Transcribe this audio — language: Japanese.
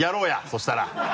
そしたら。